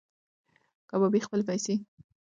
کبابي خپلې پیسې په یوې زړې ټوکرۍ کې ځای پر ځای کړې وې.